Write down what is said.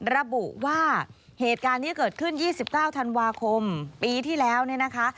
ระบุว่าเหตุการณ์ที่เกิดขึ้น๒๙ธันวาคมปีที่แล้วเนี่ยนะคะ